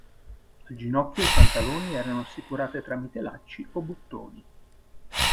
Al ginocchio i pantaloni erano assicurati tramite lacci o bottoni.